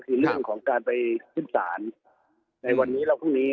คือเรื่องของการไปขึ้นศาลในวันนี้แล้วพรุ่งนี้